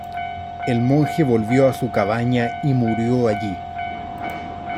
El monje volvió a su cabaña y murió allí.